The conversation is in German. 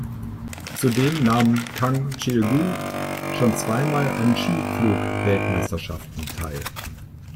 Zudem nahm Kang Chil-gu schon zweimal an Skiflug-Weltmeisterschaften teil.